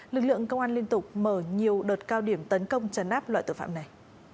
lực lượng công an liên tục mở nhiều đợt cao điểm tấn công chấn áp loại tội phạm này